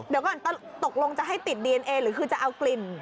เดี๋ยวก่อนตกลงจะให้ติดดีเอนเอหรือคือจะเอากลิ่น